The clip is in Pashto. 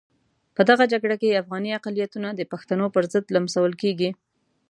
په دغه جګړه کې افغاني اقلیتونه د پښتنو پرضد لمسول کېږي.